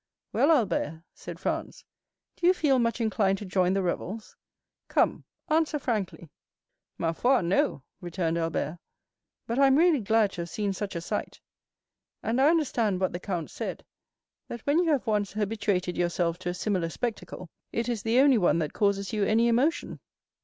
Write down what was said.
"Well, Albert," said Franz, "do you feel much inclined to join the revels? Come, answer frankly." "Ma foi, no," returned Albert. "But I am really glad to have seen such a sight; and I understand what the count said—that when you have once habituated yourself to a similar spectacle, it is the only one that causes you any emotion."